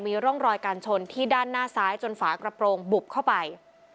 มีร่องรอยการชนที่ด้านหน้าซ้ายจนฝากระโปรงบุบเข้าไป